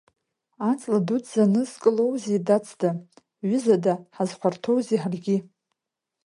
Аҵла дуӡӡа нызкылоузеи дацда, ҩызада ҳазхәарҭоузеи ҳаргьы?